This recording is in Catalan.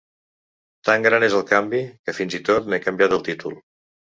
Tan gran és el canvi, que fins i tot n’he canviat el títol.